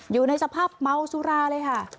อยู่ในสภาพเมาสุราเลยค่ะ